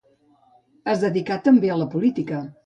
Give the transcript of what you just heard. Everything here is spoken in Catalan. Es dedicà també a la política.